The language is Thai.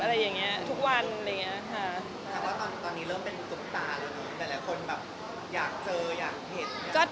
นี่เป็นคำแรกกับการฝึกที่เราได้เจอกัน